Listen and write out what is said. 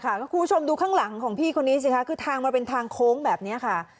คุณผู้ชมดูข้างหลังของพี่คนนี้สิคะคือทางมันเป็นทางโค้งแบบนี้ค่ะ